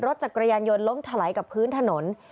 รถจักรยานยนต์ล้มถลายกับพื้นถนน